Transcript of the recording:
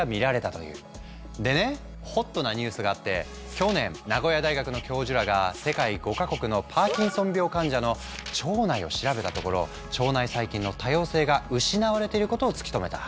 でねホットなニュースがあって去年名古屋大学の教授らが世界５か国のパーキンソン病患者の腸内を調べたところ腸内細菌の多様性が失われていることを突き止めた。